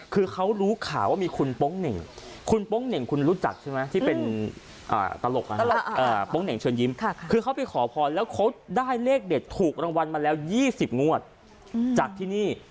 คือเขาไปขอพรแล้วเขาได้เลขเด็ดถูกรางวัลมาแล้ว๒๐งวดจากที่นี่